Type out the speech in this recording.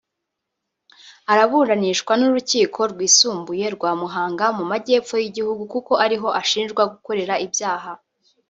Araburanishwa n'urukiko rwisumbuye rwa muhanga mu majyepfo y'igihugu kuko ariho ashinjwa gukorera ibyaha